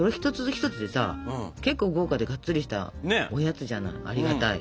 けっこう豪華でがっつりしたおやつじゃないありがたい。